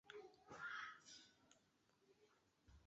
阔边陵齿蕨为陵齿蕨科陵齿蕨属下的一个种。